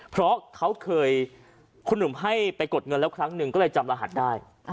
เพราะเขาเคยคุณหนุ่มให้ไปกดเงินแล้วครั้งหนึ่งก็เลยจำรหัสได้